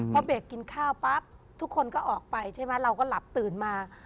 พอเบรกกินข้าวปั๊บทุกคนก็ออกไปใช่ไหมเราก็หลับตื่นมา